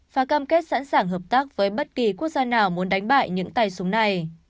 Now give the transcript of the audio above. và cam kết sẵn sàng hợp tác với bất kỳ quốc gia nào muốn đánh bại những tay súng này